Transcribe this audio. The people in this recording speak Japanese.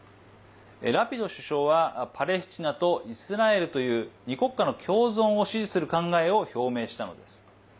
ラピド首相はパレスチナとイスラエルという２国家の共存を支持する考えを表明したのです。